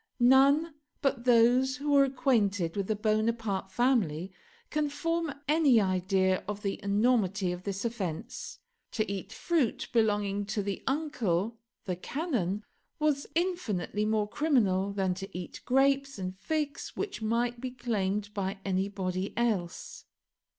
None but those who were acquainted with the Bonaparte family can form any idea of the enormity of this offence. To eat fruit belonging to the uncle the Canon was infinitely more criminal than to eat grapes and figs which might be claimed by anybody else.